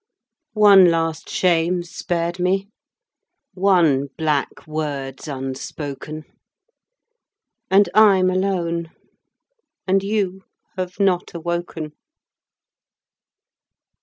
One last shame's spared me, one black word's unspoken; And I'm alone; and you have not awoken.